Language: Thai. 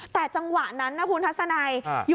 แต่จังหวะนั้นนะคุณทัศนัย